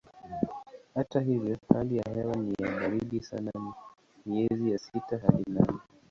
Hata hivyo hali ya hewa ni ya baridi sana miezi ya sita hadi nane.